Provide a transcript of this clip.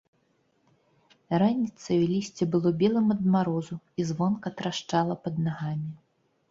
Раніцаю лісце было белым ад марозу і звонка трашчала пад нагамі.